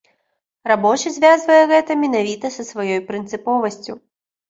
Рабочы звязвае гэта менавіта са сваёй прынцыповасцю.